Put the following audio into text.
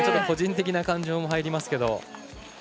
個人的な感情も入りますけど。